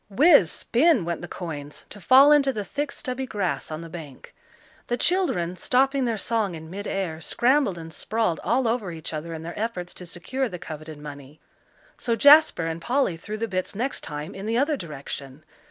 Whiz spin went the coins, to fall into the thick stubby grass on the bank. The children, stopping their song in mid air, scrambled and sprawled all over each other in their efforts to secure the coveted money. So Jasper and Polly threw the bits next time in the other direction.